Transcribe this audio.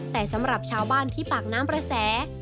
แต่สำหรับชาวบ้านที่ปากน้ำประแส